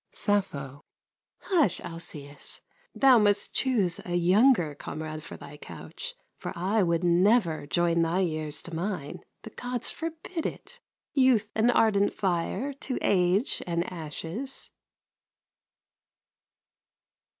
SAPPHO Hush, Alcæus! thou must choose a younger Comrade for thy couch, for I would never Join thy years to mine the Gods forbid it Youth and ardent fire to age and ashes.